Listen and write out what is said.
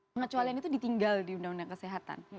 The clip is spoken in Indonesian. pengecualian itu ditinggal di undang undang kesehatan